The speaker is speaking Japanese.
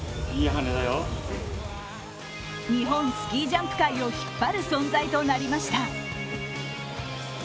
日本スキージャンプ界を引っ張る存在となりました。